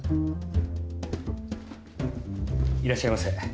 いらっしゃいませ。